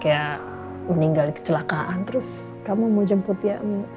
kayak meninggal kecelakaan terus kamu mau jemput ya